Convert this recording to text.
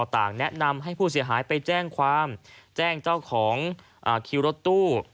ต่างแนะนำให้ผู้เสียหายไปแจ้งจ้าวของคิวรถตู้